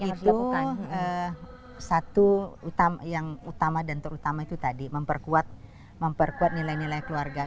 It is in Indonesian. itu kan satu yang utama dan terutama itu tadi memperkuat nilai nilai keluarga